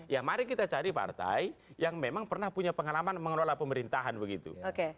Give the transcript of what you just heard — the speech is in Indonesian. ya mari kita cari partai yang memang pernah punya pengalaman mengelola pemerintahan begitu